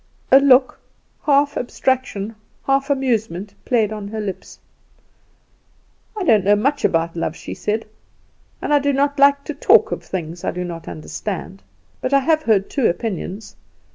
A look, half of abstraction, half amusement, played on her lips. "I don't know much about love," she said, "and I do not like to talk of things I do not understand; but I have heard two opinions.